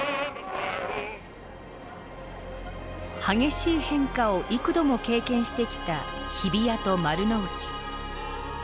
激しい変化を幾度も経験してきた日比谷と丸の内。